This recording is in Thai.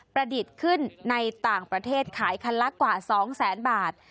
ดิษฐ์ขึ้นในต่างประเทศขายคันละกว่า๒แสนบาท